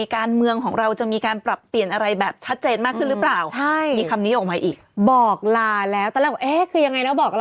การเมืองของเราจะมีการปรับเปลี่ยนอะไรแบบชัดเจน